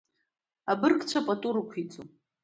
Абыргцәа пату рықәиҵон.